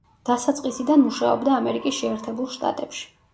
დასაწყისიდან მუშაობდა ამერიკის შეერთებულ შტატებში.